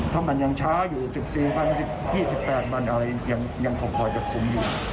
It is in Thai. ถ้ามันยังช้าอยู่๑๔๐๐๐๑๘๐๐๐บาทยังควรจะคุ้มอยู่